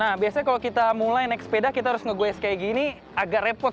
nah biasanya kalau kita mulai naik sepeda kita harus nge goes kayak gini agak repot